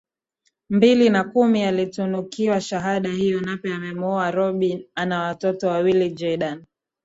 mbili na kumi alitunukiwa shahada hiyo Nape amemuoa Rhobi ana watoto wawili Jaydan na